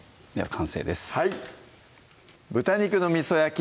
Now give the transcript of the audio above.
完成です